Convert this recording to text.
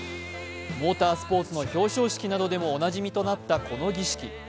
モータースポーツの表彰式などでもおなじみとなったこの儀式。